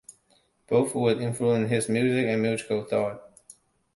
Both would influence his music and musical thought.